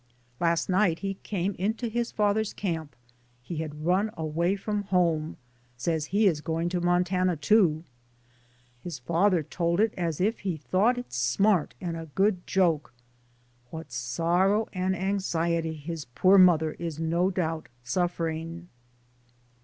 Last night he came into his father's camp. He had run away from home; says he is going to Montana, too. His father told it as if he thought it smart, and a good joke. What sorrow and anxiety his poor mother is no doubt suffering.